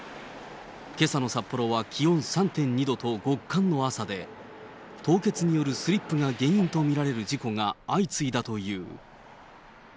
けさの札幌は気温３．２度と、極寒の朝で、凍結によるスリップが原因と見られる事故が相次いだという。